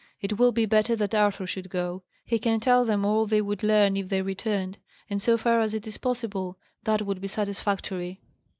It will be better that Arthur should go. He can tell them all they would learn if they returned; and so far as it is possible, that would be satisfactory."